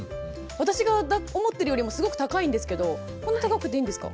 私が思ってるよりもすごく高いんですけどこんな高くていいんですか？